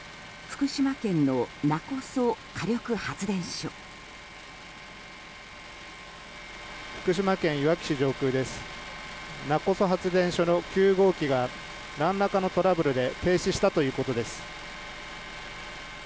勿来発電所の９号機が何らかのトラブルで停止したということです。